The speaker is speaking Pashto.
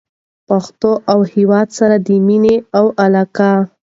پښتو او هېواد سره د مینې او علاقې